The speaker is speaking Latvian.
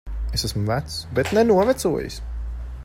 Es esmu vecs. Bet ne novecojis.